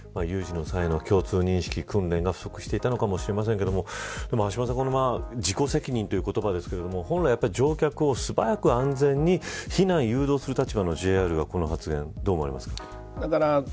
有事の際の共通認識訓練が不足していたのかもしれませんが橋下さん自己責任という言葉ですが本来、乗客を素早く安全に避難、誘導する立場のＪＲがこの発言、どう思われますか。